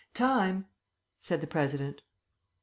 "Time!" said the President.